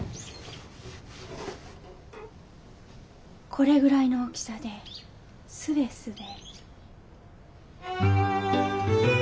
これぐらいの大きさですべすべ。